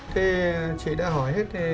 thế chị đã hỏi hết